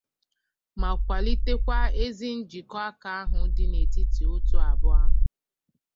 ma kwàlitekwa ezi njikọaka ahụ dị n'etiti òtù abụọ ahụ